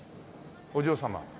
お嬢様。